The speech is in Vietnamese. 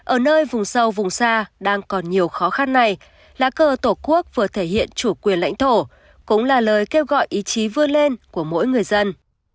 ở nơi vùng sâu vùng xa đang còn nhiều khó khăn này lá cờ tổ quốc vừa thể hiện chủ quyền lãnh thổ cũng là lời kêu gọi ý chí vươn lên của mỗi người dân